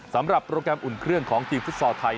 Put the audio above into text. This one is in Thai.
สำหรับโปรแกรมอุ่นเครื่องของทีมฟุตซอลไทย